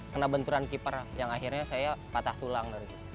kena benturan keeper yang akhirnya saya patah tulang